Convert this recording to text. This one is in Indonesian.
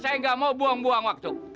saya nggak mau buang buang waktu